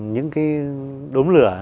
những cái đốm lửa